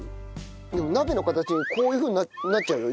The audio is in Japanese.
でも鍋の形にこういうふうになっちゃうよ